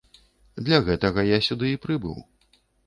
Для гэтага я сюды і прыбыў.